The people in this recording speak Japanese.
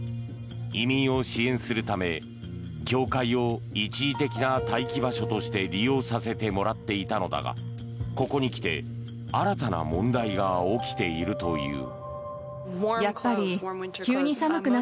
移民を支援するため教会を一時的な待機場所として利用させてもらっていたのだがここにきて新たな問題が起きているという。